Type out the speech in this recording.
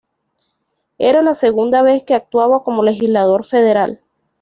Era la segunda vez que actuaba como legislador federal.